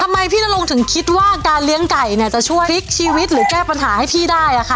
พี่นรงถึงคิดว่าการเลี้ยงไก่เนี่ยจะช่วยพลิกชีวิตหรือแก้ปัญหาให้พี่ได้อะค่ะ